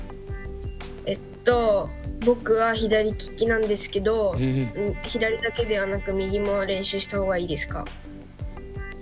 えっと僕は左利きなんですけど左だけではなく右も練習したほうがいいですか？